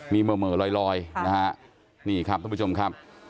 มีเหม่อลอยนะฮะนี่ครับทุกผู้ชมครับ